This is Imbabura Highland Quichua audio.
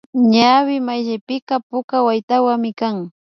Ñawi mayllapika puka waytawami kan